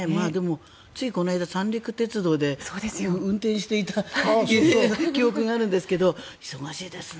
ついこの間、三陸鉄道で運転していた記憶があるんですが忙しいですね。